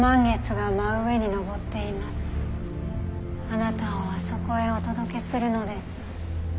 あなたをあそこへお届けするのです。